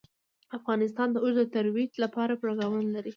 افغانستان د اوښ د ترویج لپاره پروګرامونه لري.